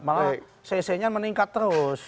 malah cc nya meningkat terus